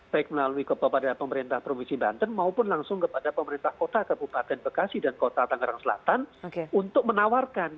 baik melalui kepada pemerintah provinsi banten maupun langsung kepada pemerintah kota kabupaten bekasi dan kota tangerang selatan untuk menawarkan